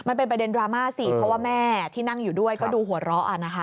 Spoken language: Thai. มันเป็นประเด็นดราม่าสิเพราะว่าแม่ที่นั่งอยู่ด้วยก็ดูหัวเราะนะคะ